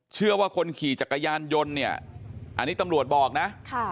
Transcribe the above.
เชื่อว่าคนขี่จักรยานยนต์เนี่ยอันนี้ตำรวจบอกนะ